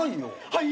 はい。